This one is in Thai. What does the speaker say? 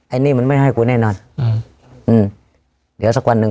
อันนี้มันไม่ให้กูแน่นอนอืมอืมเดี๋ยวสักวันหนึ่ง